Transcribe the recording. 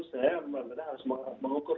sebenarnya harus mengukur